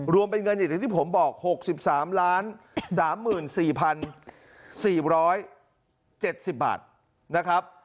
รวมเป็นเงินอย่างที่ผมบอก๖๓๓๔๔๗๐บาทนะครับ